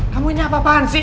kamu ini apa apaan sih